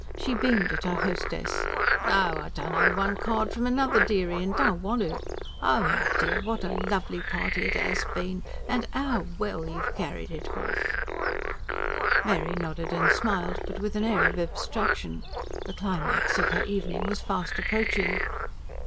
She beamed at her hostess. "No, I dunno one card from another, dearie, and don' want to. Oh, my dear, what a LOVELY party it 'as been, and 'ow well you've carried it h'off!" Mary nodded and smiled; but with an air of abstraction. The climax of her evening was fast approaching.